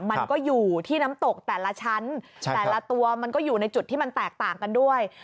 มันก็อยู่ที่น้ำตกแต่ละชั้นแต่ละตัวมันก็อยู่ในจุดที่มันแตกต่างกันด้วย